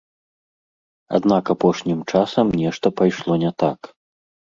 Аднак апошнім часам нешта пайшло не так.